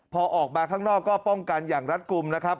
พอออกมาข้างนอกก็ป้องกันอย่างรัฐกลุ่มนะครับ